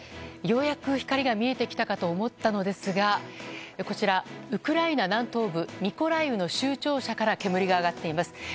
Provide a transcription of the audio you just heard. ようやく光が見えてきたかと思ったのですがこちら、ウクライナ南東部ミコライウの州庁舎から煙が上がっています。